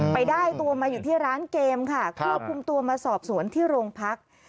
ไปได้ตัวมาอยู่ที่ร้านเกมค่ะควบคุมตัวมาสอบสวนที่โรงพัก